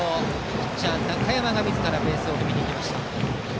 ピッチャー中山がみずからベースを踏みました。